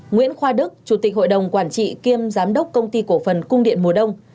nguyễn khoa đức chủ tịch hội đồng quản trị kiêm giám đốc công ty cổ phần cung điện mùa đông